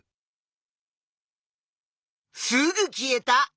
すぐ消えた。